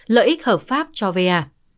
lợi ích hợp pháp cho va